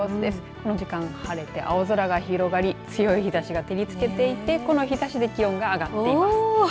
この時間晴れて青空が広がり強い日ざしが照りつけていてこの日ざしで気温が上がっています。